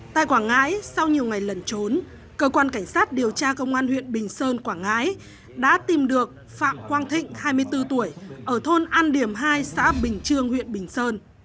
tại quảng ngãi sau nhiều ngày lẩn trốn cơ quan cảnh sát điều tra công an huyện bình sơn quảng ngãi đã tìm được phạm quang thịnh hai mươi bốn tuổi ở thôn an điểm hai xã bình trương huyện bình sơn